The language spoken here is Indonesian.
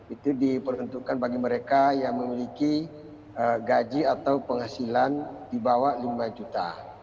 itu diperuntukkan bagi mereka yang memiliki gaji atau penghasilan di bawah lima juta